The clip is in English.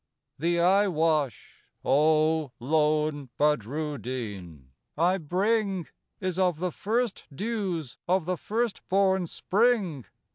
The eyewash, O lone Badruddin, I bring Is of the first dews of the first born spring.